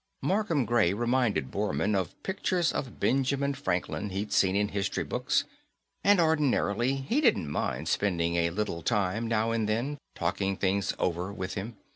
Markham Gray reminded Bormann of pictures of Benjamin Franklin he'd seen in history books, and ordinarily he didn't mind spending a little time now and then talking things over with him.